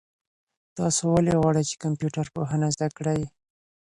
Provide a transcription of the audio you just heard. تاسو ولې غواړئ چي کمپيوټر پوهنه زده کړئ؟